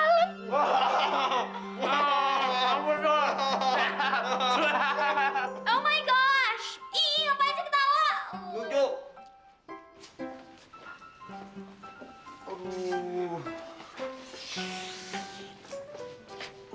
komputer pengawasan dari jawa